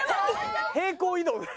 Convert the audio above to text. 平行移動で。